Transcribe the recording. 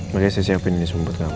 makanya saya siapin ini semua buat kamu